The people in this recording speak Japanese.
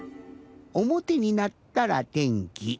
おもてになったら天気。